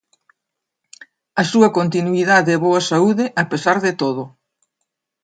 A súa continuidade e boa saúde a pesar de todo.